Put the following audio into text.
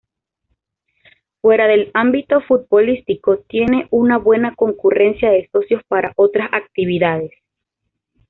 Fuera del ámbito futbolístico, tiene una buena concurrencia de socios para otras actividades.